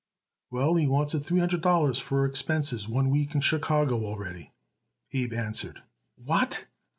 "Well, he wants it three hundred dollars for expenses one week in Chicago already," Abe answered. "What!"